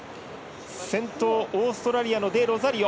先頭、オーストラリアのデロザリオ。